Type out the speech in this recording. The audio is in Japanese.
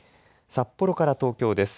札幌から東京です。